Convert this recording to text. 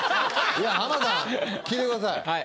いや浜田さん聞いてください。